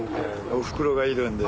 おふくろがいるんで。